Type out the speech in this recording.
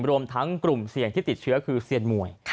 รวมทั้งกลุ่มเสี่ยงที่ติดเชื้อคือเซียนมวย